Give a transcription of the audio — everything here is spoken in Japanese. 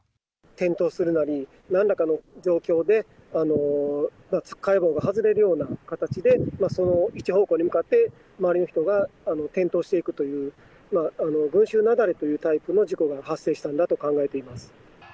転倒するなり、なんらかの状況でつっかえ棒が外れるような形で、一方向に向かって周りの人が転倒していくという、群衆雪崩というタイプの事故が発生したんだと考えています。